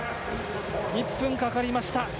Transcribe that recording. １分かかりました。